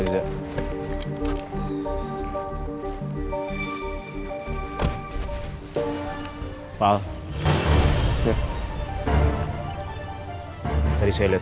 itu sudah hilang